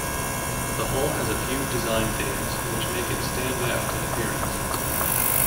The hull has a few design themes which make it stand out in appearance.